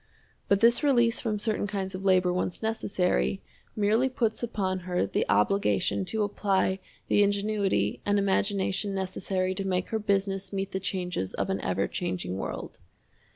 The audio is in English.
But this release from certain kinds of labor once necessary, merely puts upon her the obligation to apply the ingenuity and imagination necessary to make her business meet the changes of an ever changing world.